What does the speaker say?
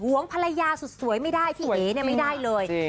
อดห่วงภรรยาสุดสวยไม่ได้พี่เอ๋ไม่ได้เลย